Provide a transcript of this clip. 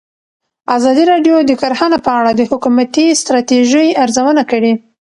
ازادي راډیو د کرهنه په اړه د حکومتي ستراتیژۍ ارزونه کړې.